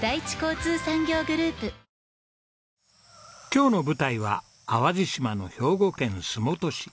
今日の舞台は淡路島の兵庫県洲本市。